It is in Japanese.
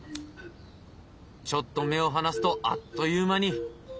ちょっと目を離すとあっという間に。